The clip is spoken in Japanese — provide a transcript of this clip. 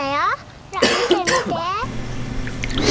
ほら見て見て。